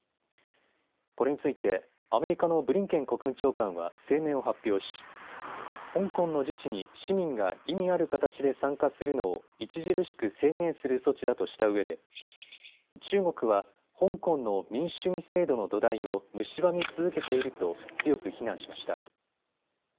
これについてアメリカのブリンケン国務長官は声明を発表し香港の自治に市民が意味ある形で参加するのを著しく制限する措置だとしたうえで中国は香港の民主主義制度の土台をむしばみ続けていると強く非難しました。